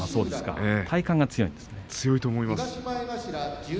体幹が強いと思います。